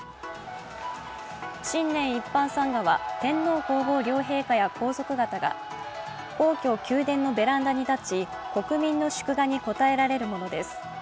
新年一般参賀は、天皇皇后両陛下や皇族方が皇居・宮殿のベランダに立ち国民の祝賀に応えられるものです。